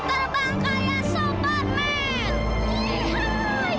tang ada superman baru tang